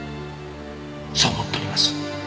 そう思っております